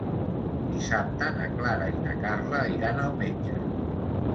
Dissabte na Clara i na Carla iran al metge.